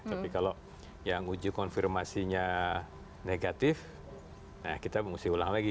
tapi kalau yang uji konfirmasinya negatif nah kita mengusi ulang lagi